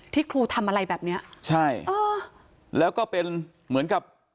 ครูทำอะไรแบบเนี้ยใช่เออแล้วก็เป็นเหมือนกับ